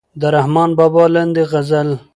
د رحمان بابا لاندې غزل